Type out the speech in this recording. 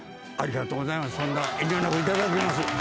ありがとうございます。